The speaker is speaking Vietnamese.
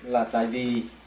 là tại vì